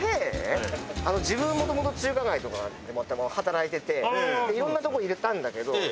自分もともと中華街とかで働いてていろんなとこ入れたんだけど。